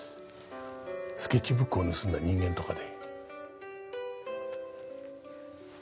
スケッチブックを盗んだ人間とかで。